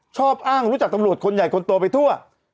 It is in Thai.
ชอบอ้างรู้จักตำรวจคนใหญ่คนโตไปทั่ว